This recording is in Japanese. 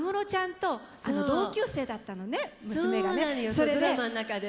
そのドラマの中で。